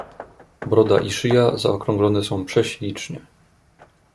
"Broda i szyja zaokrąglone są prześlicznie."